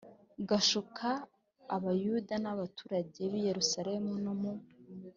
gushuka Abayuda n abaturage b i Yerusalemu no mu